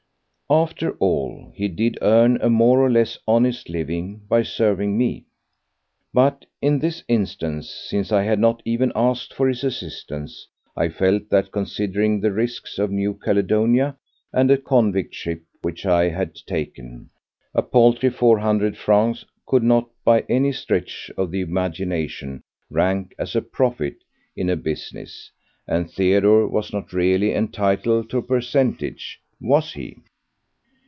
After all, he did earn a more or less honest living by serving me. But in this instance, since I had not even asked for his assistance, I felt that, considering the risks of New Caledonia and a convict ship which I had taken, a paltry four hundred francs could not by any stretch of the imagination rank as a "profit" in a business—and Theodore was not really entitled to a percentage, was he?